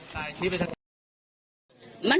ขอบคุณมากครับขอบคุณมากครับ